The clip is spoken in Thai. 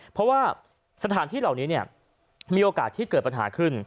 เพราะว่าสถานที่เหล่านี้มีโอกาสที่เกิดปัญหาขึ้น